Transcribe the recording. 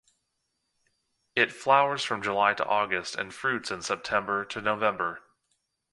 It flowers from July to August and fruits in September to November.